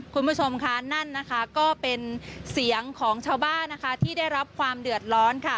คุณผู้ชมค่ะนั่นนะคะก็เป็นเสียงของชาวบ้านนะคะที่ได้รับความเดือดร้อนค่ะ